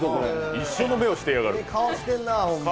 一緒の目をしてやがる。